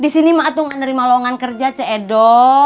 disini mah atungan dari maluangan kerja ce edo